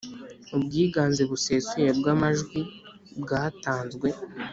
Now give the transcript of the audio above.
ubwiganze busesuye bw’ amajwi bwatanzwe.